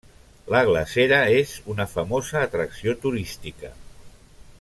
La glacera és una famosa atracció turística.